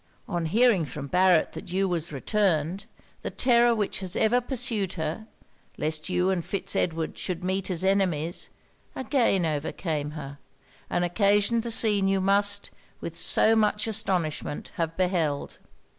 On hearing from Barret that you was returned, the terror which has ever pursued her, lest you and Fitz Edward should meet as enemies, again overcame her, and occasioned the scene you must, with so much astonishment, have beheld.'